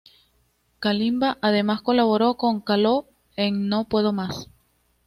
Kalimba además colaboró con Caló en No Puedo Más.